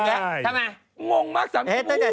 งงมากสามี